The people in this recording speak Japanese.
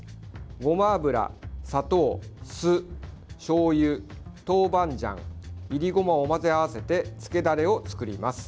ごま油、砂糖、酢、しょうゆ豆板醤、いりごまを混ぜ合わせてつけダレを作ります。